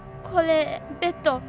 これベッド